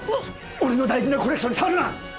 俺の大事なコレクションに触るな！